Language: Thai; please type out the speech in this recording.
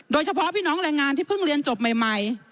โดยเฉพาะพี่น้องแรงงานที่เพิ่งเรียนจบใหม่